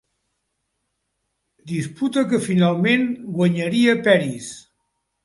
Disputa que finalment guanyaria Peris.